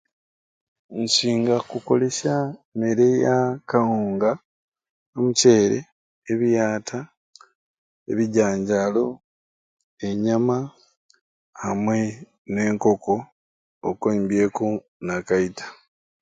Nsinga kukolesya mmere ya kawunga, omuceere, ebiyata, ebijanjalo, enyama amwei nenkoko okwo oimbyeku n'akaita.